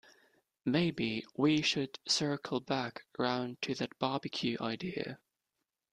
Maybe we should circle back round to that barbecue idea?